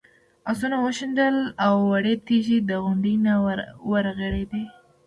آسونه وشڼېدل او وړې تیږې د غونډۍ نه ورغړېدې.